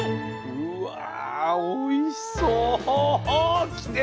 うわおいしそう！来てる！